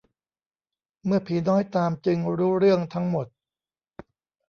เมื่อผีน้อยตามจึงรู้เรื่องทั้งหมด